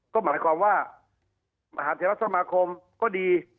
ก็หมดความว่ามหาธรรมสมคมก็ดี